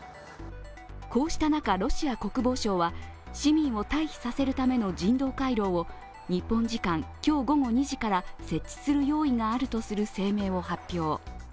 こうした中、ロシア国防省は市民を退避させるための人道回廊を日本時間今日午後２時から設置する用意があるとする声明を発表。